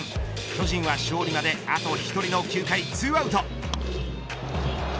巨人は勝利まであと１人の９回２アウト。